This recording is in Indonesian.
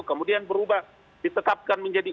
kemudian berubah ditetapkan menjadi